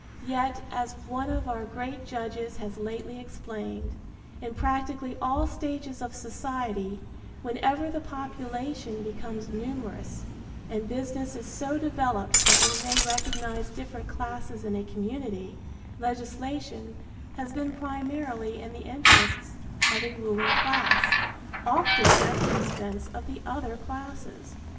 Yet, as one of our great judges has lately explained, in practically all stages of society, whenever the population becomes numerous and business is so developed that we may recognize different classes in a community, legislation has been primarily in the interests of a ruling class, often at the expense of the other classes.